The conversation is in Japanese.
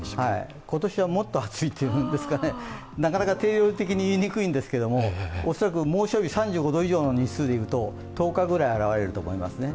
今年はもっと暑いというんですかね、なかなか定量的に言いにくいんですけど、恐らく猛暑日、３５度以上の日数で言うと１０日ぐらい現れると思いますね。